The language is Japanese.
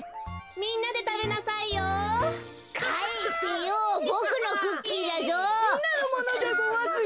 みんなのものでごわすよ。